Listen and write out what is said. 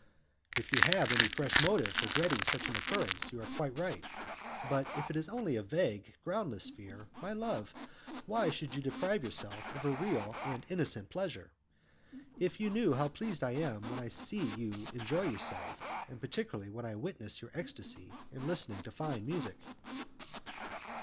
"If you have any fresh motive for dreading such an occurrence, you are quite right, but if it is only a vague, groundless fear, my love, why should you deprive yourself of a real and innocent pleasure? If you knew how pleased I am when I see you enjoy yourself, and particularly when I witness your ecstacy in listening to fine music!"